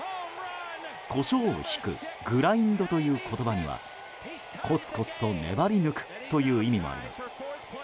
コショウをひくｇｒｉｎｄという言葉にはコツコツと粘り抜くという意味もあります。